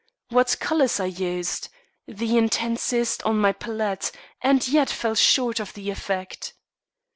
What colours I used! the intensest on my palette, and yet fell short of the effect.